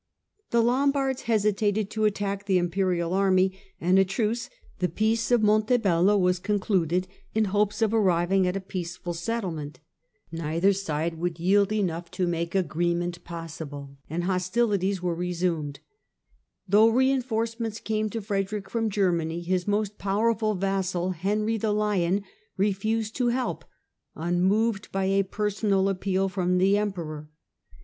The Lombards hesitated to attack the imperial army, and a truce, the " Peace of Montebello," was concluded in hopes of arriving at a peaceful settlement. Neither side, how 164 THE CENTRAL PERIOD OF THE MIDDLE AGE ever, would yield enough to make agreement possible, and hostilities were resumed. Though reinforcements came to Frederick from Germany, his most powerful vassal, Henry the Lion, refused his help, unmoved by a personal appeal from the Emperor.